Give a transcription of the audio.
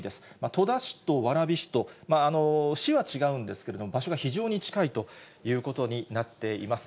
戸田市と蕨市と、市は違うんですけれども、場所が非常に近いということになっています。